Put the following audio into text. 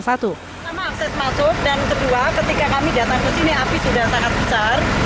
pertama akses masuk dan kedua ketika kami datang ke sini api sudah sangat besar